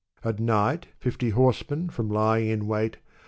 At night, Fifty horsemen from l3ring in wait.